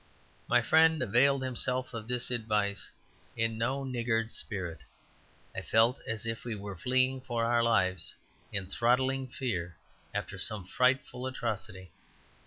My friend availed himself of this advice in no niggard spirit; I felt as if we were fleeing for our lives in throttling fear after some frightful atrocity.